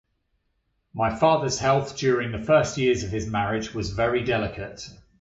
My father's health during the first years of his marriage was very delicate.